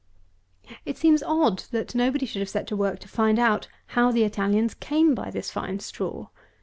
212. It seems odd, that nobody should have set to work to find out how the Italians came by this fine straw.